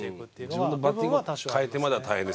自分のバッティングを変えてまでは大変ですよね。